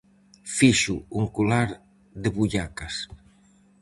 Fixo un colar de bullacas.